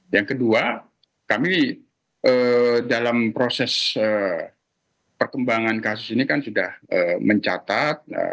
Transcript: yang kedua kami dalam proses perkembangan kasus ini kan sudah mencatat